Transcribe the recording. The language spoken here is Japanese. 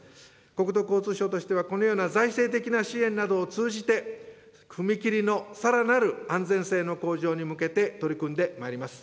国土交通省としてはこのような財政的な支援などを通じて、踏切のさらなる安全性の向上に向けて取り組んでまいります。